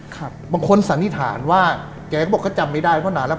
ครับบางคนสันนิษฐานว่าแกก็บอกก็จำไม่ได้เพราะนานแล้ว